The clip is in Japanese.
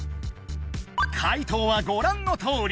解答はごらんのとおり。